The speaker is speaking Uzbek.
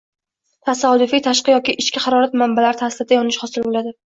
tasodifiy tashqi yoki ichki harorat manba’lari ta’sirida yonish hosil bo’ladi